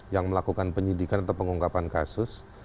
yang melakukan penyidikan atau pengungkapan kasus